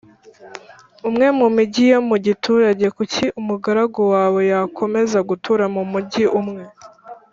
Umwe mu migi yo mu giturage kuki umugaragu wawe yakomeza gutura mu mugi umwe